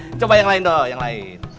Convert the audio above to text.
nah coba yang lain doh yang lain